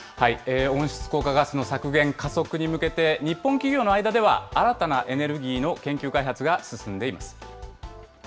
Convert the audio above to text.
温室効果ガスの削減加速に向けて、日本企業の間では、新たなエネルギーの研究開発が進んでいます。